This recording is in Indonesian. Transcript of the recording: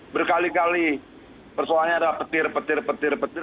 berkali kali persoalannya adalah petir petir petir petir